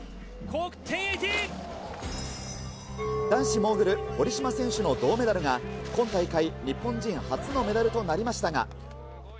男子モーグル、堀島選手の銅メダルが、今大会日本人初のメダルとなりましたが。